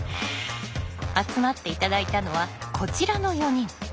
集まって頂いたのはこちらの４人。